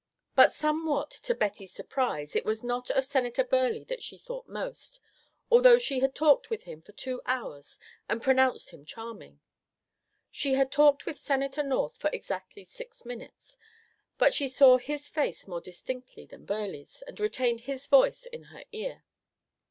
But somewhat to Betty's surprise it was not of Senator Burleigh that she thought most, although she had talked with him for two hours and pronounced him charming. She had talked with Senator North for exactly six minutes, but she saw his face more distinctly than Burleigh's and retained his voice in her ear.